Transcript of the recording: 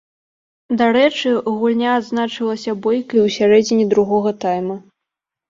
Дарэчы, гульня адзначылася бойкай у сярэдзіне другога тайма.